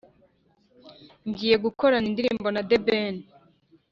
Ngiye gukorana indirimbo na The ben